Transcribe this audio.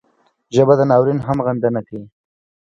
ژبه د ناورین هم غندنه کوي